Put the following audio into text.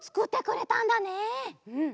うん。